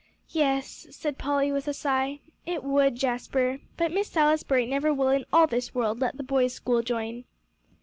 "Yes," said Polly, with a sigh, "it would, Jasper. But Miss Salisbury never will in all this world let the boys' school join."